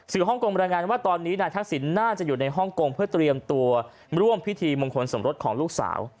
ฮ่องกงบรรยายงานว่าตอนนี้นายทักษิณน่าจะอยู่ในฮ่องกงเพื่อเตรียมตัวร่วมพิธีมงคลสมรสของลูกสาว